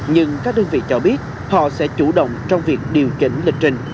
nhưng các đơn vị cho biết họ sẽ chủ động trong việc điều chỉnh lịch trình